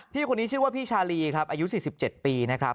พี่คนนี้ชื่อว่าพี่ชาลีครับอายุ๔๗ปีนะครับ